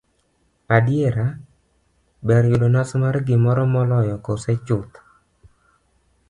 adiera, ber yudo nus mar gimoro moloyo koso chuth